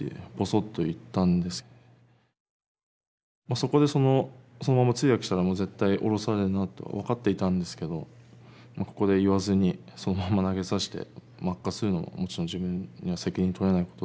そこでそのまま通訳したらもう絶対降ろされるなと分かっていたんですけどここで言わずにそのまま投げさせて悪化するのももちろん自分には責任取れないこと。